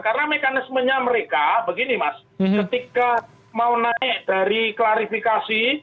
karena mekanismenya mereka begini mas ketika mau naik dari klarifikasi